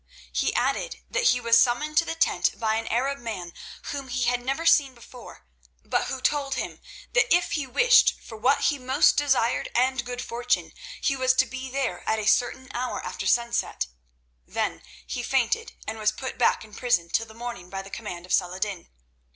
He added that he was summoned to the tent by an Arab man whom he had never seen before, but who told him that if he wished for what he most desired and good fortune, he was to be there at a certain hour after sunset. Then he fainted, and was put back in prison till the morning by the command of Saladin.